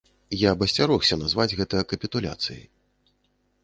Я б асцярогся назваць гэта капітуляцыяй.